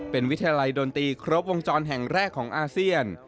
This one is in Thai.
เป็นวิทยาลัยดนตรีครบวงจรแห่งแรกของอาเซียน